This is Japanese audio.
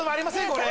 これ。